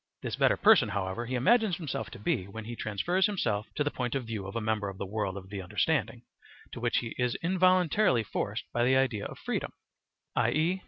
This better person, however, he imagines himself to be when be transfers himself to the point of view of a member of the world of the understanding, to which he is involuntarily forced by the idea of freedom, i.e.